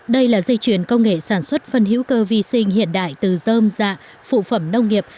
đây là dây chuyền công nghệ sản xuất phân hữu cơ vi sinh hiện đại từ dơm dạ phụ phẩm nông nghiệp